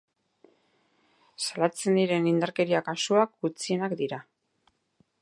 Salatzen diren indarkeria kasuak gutxienak dira.